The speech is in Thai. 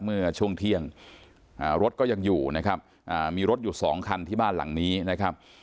เมื่อช่วงเที่ยงรถก็ยังอยู่นะครับมีรถอยู่สองคันที่บ้านหลังนี้นะครับ